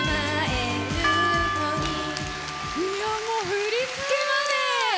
振り付けまで。